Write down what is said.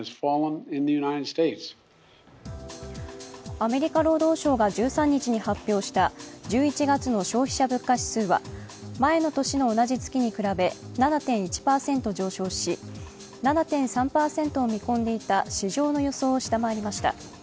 アメリカ労働省が１３日に発表した１１月の消費者物価指数は前の年の同じ月に比べ７．１％上昇し７．３％を見込んでいた市場の予想を下回りました。